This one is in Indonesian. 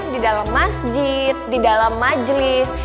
di dalam masjid di dalam majlis